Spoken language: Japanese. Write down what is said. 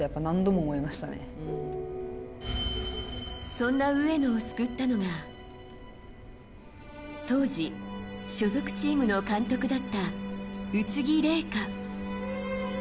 そんな上野を救ったのが当時、所属チームの監督だった宇津木麗華。